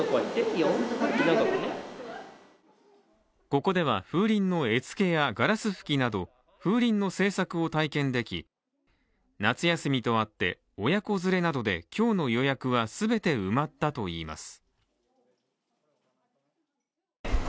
ここでは風鈴の絵付けや、ガラス吹きなど風鈴の製作を体験でき、夏休みとあって親子連れなどで今日の予約が全て埋まったといいます。